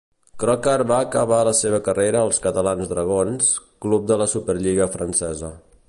Croker va acabar la seva carrera al Catalans Dragons, club de la superlliga francesa.